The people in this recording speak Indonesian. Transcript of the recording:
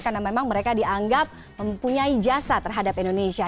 karena memang mereka dianggap mempunyai jasa terhadap indonesia